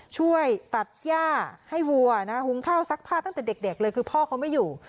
ช่วยตัดย่าให้วัวนะหุงข้าวซักผ้าตั้งแต่เด็กเลยคือพ่อเขาไม่อยู่